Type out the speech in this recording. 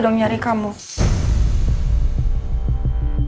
dong nyari kamu enggak kok enggak susah ya susah dong jess